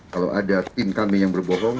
kalau ada tim kami yang berbohong